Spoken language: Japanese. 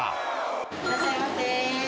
いらっしゃいませ。